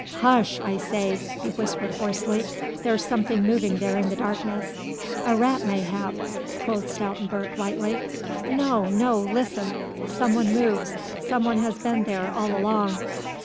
"Hush, I say!" he whispered hoarsely, "there's something moving there in the darkness." "A rat mayhap!" quoth Stoutenburg lightly. "No, no ... listen!... some one moves ... some one has been there ... all along...."